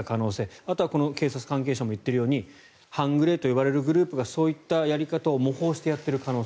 あと警察関係者も言っているように半グレと呼ばれるグループがそういったやり方を模倣している可能性。